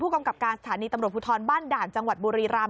กำกับการสถานีตำรวจภูทรบ้านด่านจังหวัดบุรีรำ